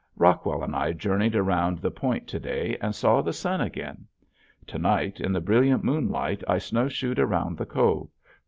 Rockwell and I journeyed around the point to day and saw the sun again. To night in the brilliant moonlight I snowshoed around the cove.